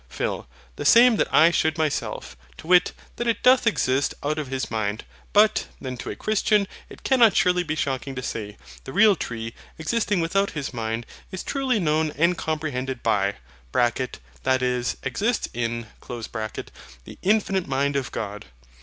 PHIL. The same that I should myself, to wit, that it doth exist out of his mind. But then to a Christian it cannot surely be shocking to say, the real tree, existing without his mind, is truly known and comprehended by (that is EXISTS IN) the infinite mind of God.